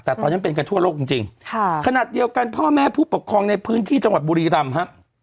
แต่ตอนนั้นเป็นกันทั่วโลกจริงจริงค่ะขนาดเดียวกันพ่อแม่ผู้ปกครองในพื้นที่จังหวัดบุรีรำฮะ